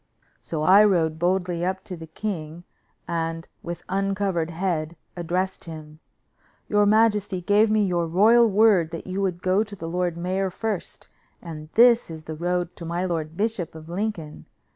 So I rode boldly up to the king, and with uncovered head addressed him: "Your majesty gave me your royal word that you would go to the lord mayor first, and this is the road to my lord bishop of Lincoln.